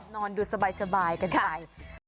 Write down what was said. นอนดูสบายกันไป